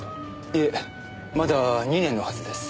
いえまだ２年のはずです。